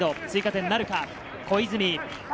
追加点なるか、小泉。